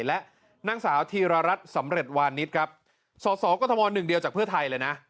และนางสาวธีรรัฐสำเร็จวานิสครับสอสอกรทมหนึ่งเดียวจากเพื่อไทยเลยนะ